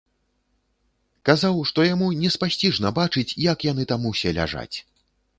Казаў, што яму неспасціжна бачыць, як яны там усе ляжаць.